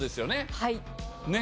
はい。